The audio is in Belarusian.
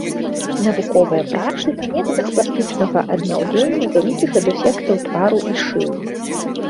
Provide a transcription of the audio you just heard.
Навуковыя працы па метадах пластычнага аднаўлення вялікіх дэфектаў твару і шыі.